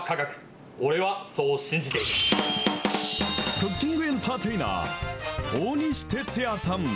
クッキングエンターテイナー、大西哲也さん。